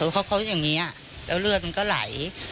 เขาอย่างนี้แล้วเลือดมันก็ไหล